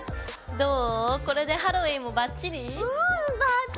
どう？